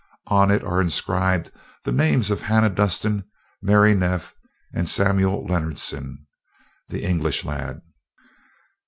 On it are inscribed the names of Hannah Dustin, Mary Neff and Samuel Leonardson, the English lad."